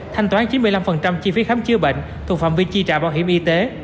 thanh toán chín mươi năm chi phí khám chữa bệnh thuộc phạm vi chi trả bảo hiểm y tế